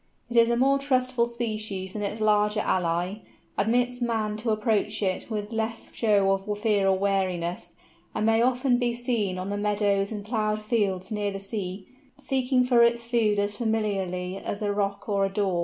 It is a more trustful species than its larger ally, admits man to approach it with less show of fear or wariness, and may often be seen on the meadows and ploughed fields near the sea, seeking for its food as familiarly as a Rook or a Daw.